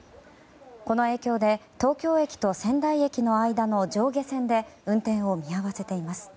この影響で東京駅と仙台駅の間の上下線で運転を見合わせています。